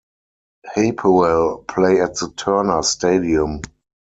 Hapoel play at the Turner Stadium.